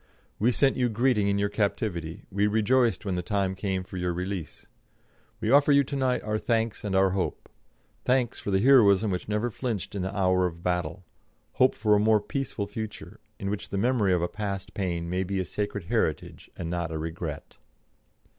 We sent you greeting in your captivity; we rejoiced when the time came for your release. We offer you to night our thanks and our hope thanks for the heroism which never flinched in the hour of battle, hope for a more peaceful future, in which the memory of a past pain may be a sacred heritage and not a regret.